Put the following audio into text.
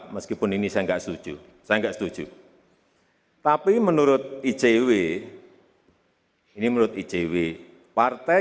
meskipun ini saya enggak setuju saya enggak setuju tapi menurut icw ini menurut icw partai